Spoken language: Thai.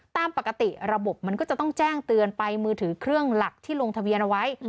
ตามปกติระบบมันก็จะต้องแจ้งเตือนไปมือถือเครื่องหลักที่ลงทะเบียนเอาไว้